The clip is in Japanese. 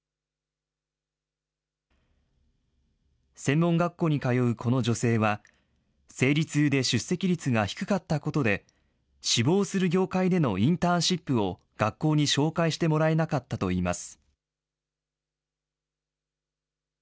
専門学校に通うこの女性は、生理痛で出席率が低かったことで、志望する業界でのインターンシップを学校に紹介してもらえなかったといいます。